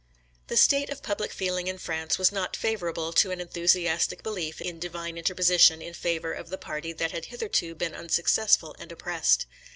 The state of public feeling in France was not favourable to an enthusiastic belief in Divine interposition in favour of the party that had hitherto been unsuccessful and oppressed.